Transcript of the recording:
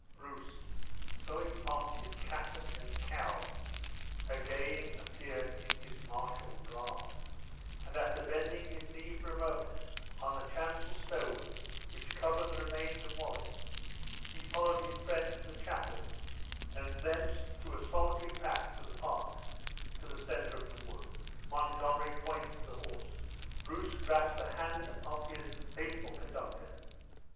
Bruce, throwing off his cassock and cowl, again appeared in his martial garb, and after bending his knee for a moment on the chancel stone which covered the remains of Wallace, he followed his friend from the chapel, and thence through a solitary path to the park, to the center of the wood. Montgomery pointed to the horse. Bruce grasped the hand of his faithful conductor.